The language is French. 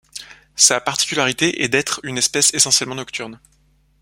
Sa particularité est d'être une espèce essentiellement nocturne.